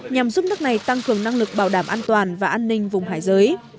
nhằm giúp nước này tăng cường năng lực bảo đảm an toàn và an ninh vùng hải giới